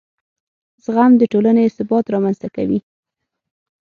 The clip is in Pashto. زغم د ټولنې ثبات رامنځته کوي.